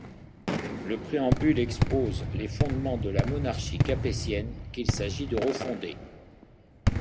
Le préambule expose les fondements de la monarchie capétienne qu'il s'agit de refonder.